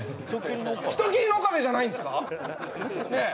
人斬りの岡部じゃないんですかねえ